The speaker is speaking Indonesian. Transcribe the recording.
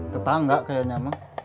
tetangga kayaknya mah